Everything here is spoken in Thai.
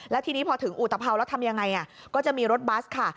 แล้วทีนี้พอถึงอุตภัวร์แล้วทำยังไงก็จะมีรถบัสค่ะ